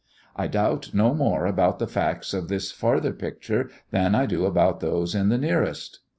I doubt no more about the facts in this farther picture than I do about those in the nearest.